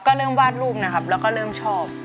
ก็เริ่มวาดรูปนะครับแล้วก็เริ่มชอบ